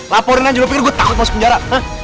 laporin aja lo pikir gue takut masuk penjara